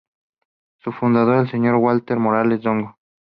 Su fundador fue el Sr. Walter Morales Dongo.